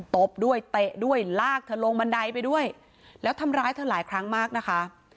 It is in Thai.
ตบด้วยเตะด้วยลากเธอลงบันไดไปด้วยแล้วทำร้ายเธอหลายครั้งมากนะคะ